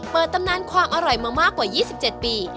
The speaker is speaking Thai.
ตำนานความอร่อยมามากกว่า๒๗ปี